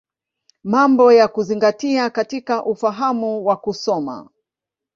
Mambo ya Kuzingatia katika Ufahamu wa Kusoma.